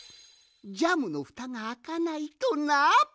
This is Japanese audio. ジャムのふたがあかないとな！